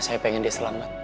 saya pengen dia selamat